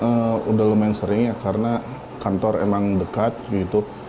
kalau saya di sini sudah lumayan sering ya karena kantor memang dekat gitu